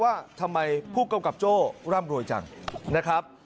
ว่าทำไมผู้กำกับโจ้ร่ำรวยจังนะครับ